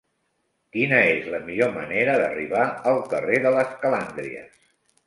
Quina és la millor manera d'arribar al carrer de les Calàndries?